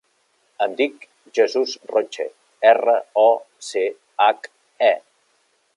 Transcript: Em dic Jesús Roche: erra, o, ce, hac, e.